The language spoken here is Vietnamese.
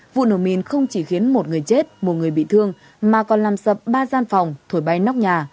vụ nổ mìn không chỉ khiến một người chết một người bị thương mà còn làm sập ba gian phòng thổi bay nóc nhà